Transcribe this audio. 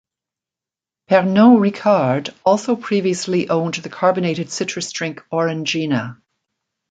Pernod Ricard also previously owned the carbonated citrus drink Orangina.